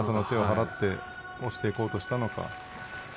手をはらって押していこうとしたのか。